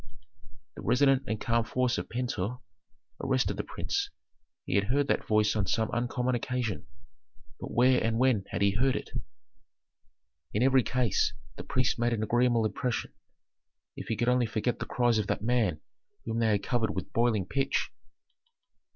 The resonant and calm voice of Pentuer arrested the prince. He had heard that voice on some uncommon occasion. But where and when had he heard it? In every case the priest made an agreeable impression. If he could only forget the cries of that man whom they had covered with boiling pitch!